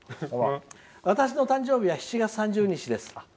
私の誕生日は７月３０日です。